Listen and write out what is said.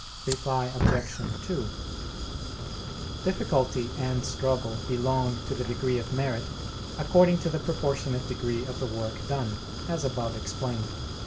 Reply Obj. 2: Difficulty and struggle belong to the degree of merit according to the proportionate degree of the work done, as above explained.